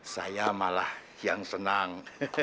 saya malah yang senang